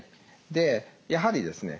でやはりですね